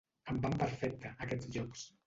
Em van perfecte, aquests llocs.